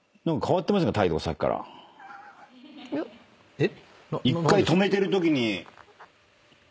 えっ⁉